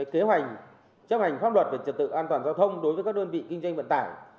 kế hoạch chấp hành pháp luật về trật tự an toàn giao thông đối với các đơn vị kinh doanh vận tải